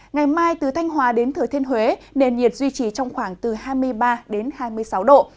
ngày mai từ thanh hòa đến thừa thiên huế nền nhiệt duy trì trong khoảng từ hai mươi ba đến hai mươi sáu độ